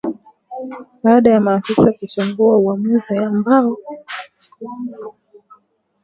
Baada ya maafisa kutengua uamuzi ambao maafisa wanalaumu kwa kuruhusu ushirika wa al-Qaida kukua na kuwa na nguvu zaidi na hatari sana.